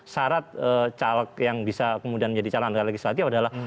syarat caleg yang bisa kemudian menjadi calon legislatif adalah